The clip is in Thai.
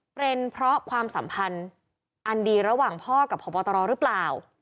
เป็นเพราะความสัมพันธ์อันดีระหว่างพ่อกับพบตรหรือเปล่า